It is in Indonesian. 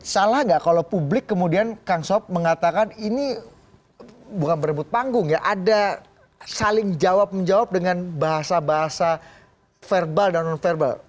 salah nggak kalau publik kemudian kang sob mengatakan ini bukan berebut panggung ya ada saling jawab menjawab dengan bahasa bahasa verbal dan non verbal